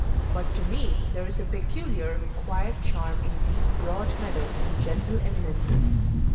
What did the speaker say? But to me there is a peculiar, quiet charm in these broad meadows and gentle eminences.